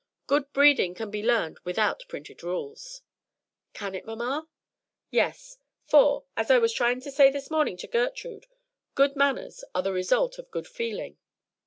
Good breeding can be learned without printed rules." "Can it, mamma?" "Yes; for, as I was saying this morning to Gertrude, good manners are the result of good feeling.